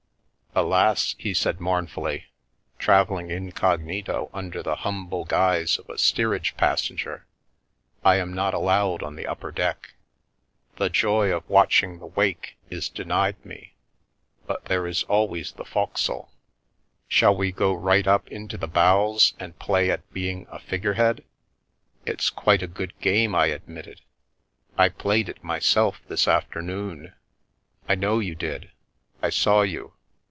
"Alas I" he said mournfully, "travelling incognito under the humble guise of a steerage passenger, I am not allowed on the upper deck. The joy of watching the wake is denied me, but there is always the fo'c'sle. Shall we go right up into the bows and play at being a figurehead?" " It's quite a good game," I admitted. " I played it myself this afternoon." " I know you did. I saw you.